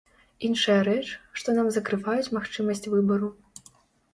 Іншая рэч, што нам закрываюць магчымасць выбару.